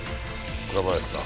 倉林さん。